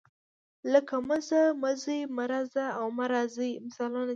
لکه مه ځه، مه ځئ، مه راځه او مه راځئ مثالونه دي.